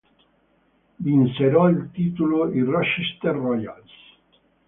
Vinsero il titolo i Rochester Royals.